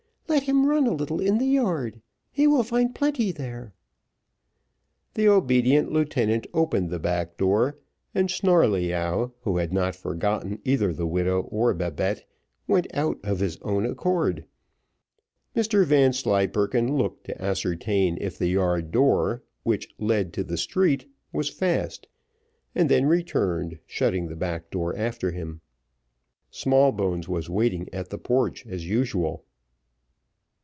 Let him run a little in the yard, he will find plenty there." The obedient lieutenant opened the back door, and Snarleyyow, who had not forgotten either the widow Or Babette, went out of his own accord. Mr Vanslyperken looked to ascertain if the yard door, which led to the street, was fast, and then returned, shutting the back door after him. Smallbones was waiting at the porch as usual.